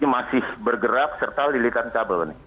masih bergerak serta lilikan kabel